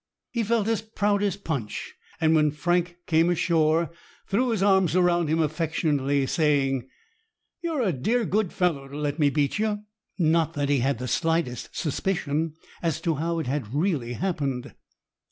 He felt as proud as Punch, and when Frank came ashore, threw his arms around him affectionately, saying,— "You're a dear, good fellow to let me beat you." Not that he had the slightest suspicion as to how it had really happened.